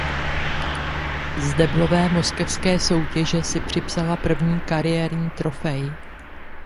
Z deblové moskevské soutěže si připsala první kariérní trofej.